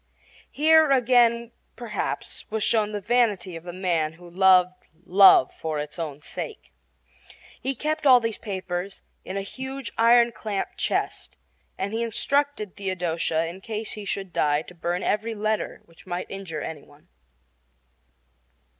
Here again, perhaps, was shown the vanity of the man who loved love for its own sake. He kept all these papers in a huge iron clamped chest, and he instructed Theodosia in case he should die to burn every letter which might injure any one.